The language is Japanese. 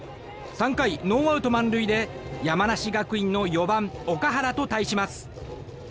３回、ノーアウト満塁で山梨学院の４番、オカハラと対します。